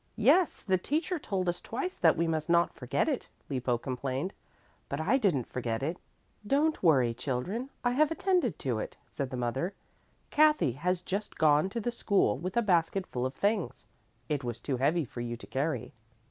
"Yes, the teacher told us twice that we must not forget it," Lippo complained, "but I didn't forget it." "Don't worry, children, I have attended to it," said the mother. "Kathy has just gone to the school with a basket full of things. It was too heavy for you to carry."